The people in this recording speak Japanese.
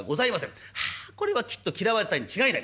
はあこれはきっと嫌われたに違いない。